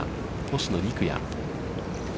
星野陸也。